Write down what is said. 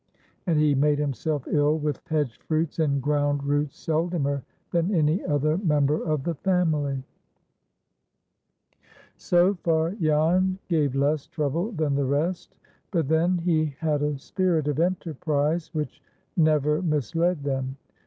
And he made himself ill with hedge fruits and ground roots seldomer than any other member of the family. So far, Jan gave less trouble than the rest. But then he had a spirit of enterprise which never misled them.